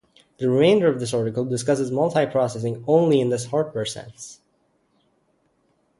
The remainder of this article discusses multiprocessing only in this hardware sense.